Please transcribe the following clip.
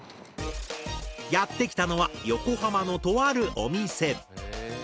やって来たのは横浜のとあるお店。